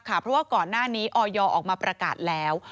เพราะว่าก่อนหน้านี้ออยออกมาประกาศแล้ว